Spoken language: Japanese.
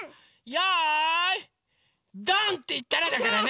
よいどん！っていったらだからね！